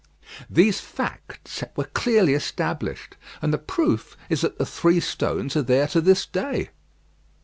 These facts were clearly established; and the proof is that the three stones are there to this day.